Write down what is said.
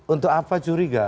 untuk apa curiga